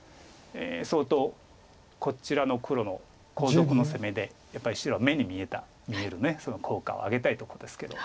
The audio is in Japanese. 相当こちらの黒の後続の攻めでやっぱり白は目に見える効果を上げたいところですけど。